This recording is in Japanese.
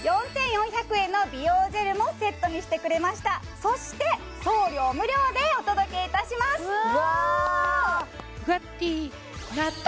４４００円の美容ジェルもセットにしてくれましたそして送料無料でお届けいたしますうわ！